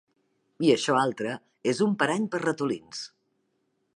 I això altre és un parany per a ratolins.